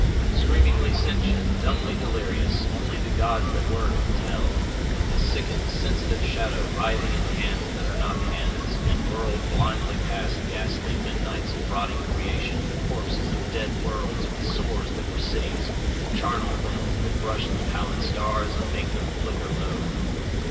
Screamingly sentient, dumbly delirious, only the gods that were can tell. A sickened, sensitive shadow writhing in hands that are not hands, and whirled blindly past ghastly midnights of rotting creation, corpses of dead worlds with sores that were cities, charnel winds that brush the pallid stars and make them flicker low.